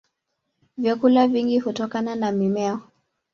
Vyakula vingi hutokana na mimea.